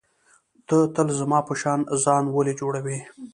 ته تل زما په شان ځان ولي جوړوې.